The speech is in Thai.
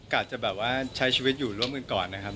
อาจจะแบบว่าใช้ชีวิตอยู่ร่วมกันก่อนนะครับ